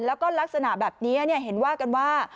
แล้วก็ลักษณะแบบนี้เห็นว่ากันว่า